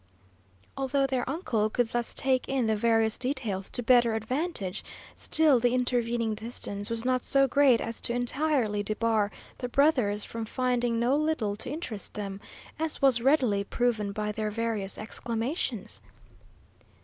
Although their uncle could thus take in the various details to better advantage, still the intervening distance was not so great as to entirely debar the brothers from finding no little to interest them, as was readily proven by their various exclamations.